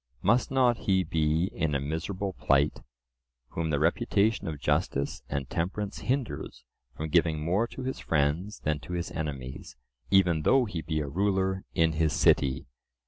—must not he be in a miserable plight whom the reputation of justice and temperance hinders from giving more to his friends than to his enemies, even though he be a ruler in his city?